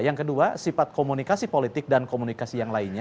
yang kedua sifat komunikasi politik dan komunikasi yang lainnya